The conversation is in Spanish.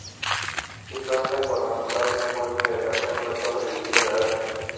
Su planta cuadrangular envuelve la antigua torre de los Díaz de Arce.